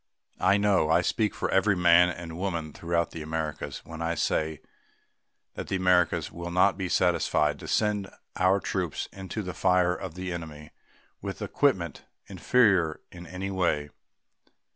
I know I speak for every man and woman throughout the Americas when I say that we Americans will not be satisfied to send our troops into the fire of the enemy with equipment inferior in any way.